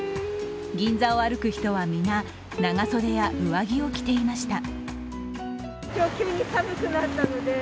銀座を歩く人は皆、長袖や上着を着ていました。